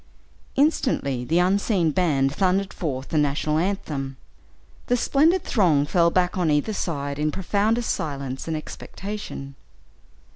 Instantly the unseen band thundered forth the national anthem. The splendid throng fell back on either hand in profoundest silence and expectation.